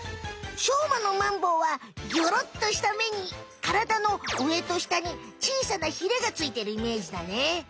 しょうまのマンボウはギョロっとした目にからだの上と下に小さなヒレがついてるイメージだね。